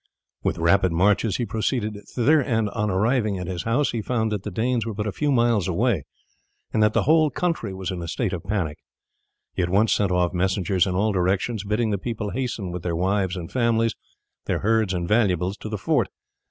With rapid marches he proceeded thither, and on arriving at his house he found that the Danes were but a few miles away, and that the whole country was in a state of panic. He at once sent off messengers in all directions, bidding the people hasten with their wives and families, their herds and valuables, to the fort.